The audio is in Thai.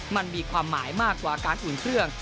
มันมีความหมายมากกว่าการอุ่นเครื่อง